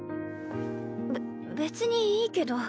べ別にいいけど。